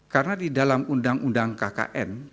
karena di dalam undang undang kkn